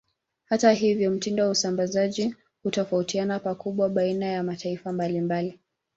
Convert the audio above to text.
Hata hivyo, mtindo wa usambazaji hutofautiana pakubwa baina ya mataifa mbalimbali.